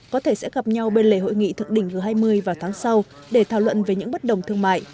có thể sẽ gặp nhau bên lề hội nghị thực định thứ hai mươi vào tháng sau để thảo luận về những bất đồng thương mại